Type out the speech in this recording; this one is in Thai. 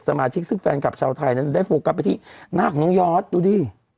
สมาชิกซึ่งแฟนคลับชาวไทยนั้นได้โฟกัสไปที่หน้าของน้องยอดดูดิ